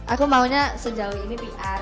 aku maunya sejauh ini pr